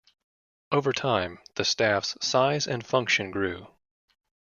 Over time, the staff's size and function grew.